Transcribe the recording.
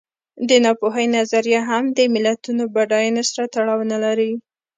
د ناپوهۍ نظریه هم د ملتونو بډاینې سره تړاو نه لري.